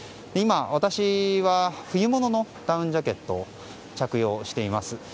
今、私は冬物のダウンジャケットを着用しています。